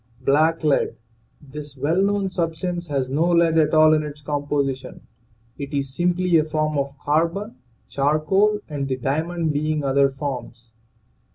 BLACK LEAD. This well known substance has no lead at all in its composition; it is simply a form of carbon, charcoal and the diamond being other forms.